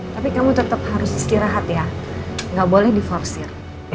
tapi kamu tetep harus istirahat ya gak boleh di forsir